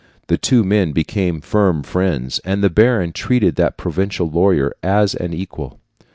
The two men became firm friends, and the baron treated the provincial lawyer as an equal.